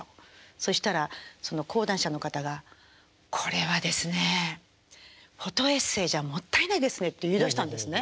そしたら講談社の方が「これはですねえフォトエッセーじゃもったいないですね」って言いだしたんですね。